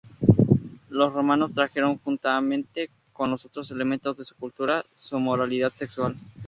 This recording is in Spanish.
Los romanos trajeron, juntamente con los otros elementos de su cultura, su moralidad sexual.